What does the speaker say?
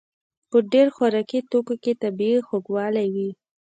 په ډېر خوراکي توکو کې طبیعي خوږوالی وي.